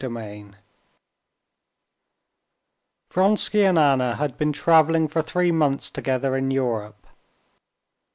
Chapter 7 Vronsky and Anna had been traveling for three months together in Europe.